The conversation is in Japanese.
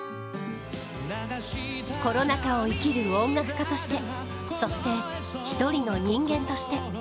コロナ禍を生きる音楽家として、そして一人の人間として。